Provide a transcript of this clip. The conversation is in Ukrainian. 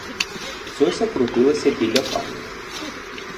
Зося крутилася біля пані.